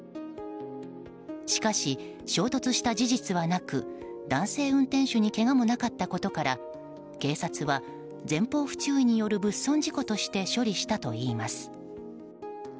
しかし、衝突した事実はなく男性運転手にけがもなかったことから警察は、前方不注意による物損事故として処理したといいます。